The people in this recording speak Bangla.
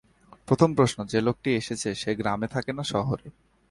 প্রথম প্রশ্ন, যে লোকটি এসেছে সে গ্রামে থাকে না শহরে?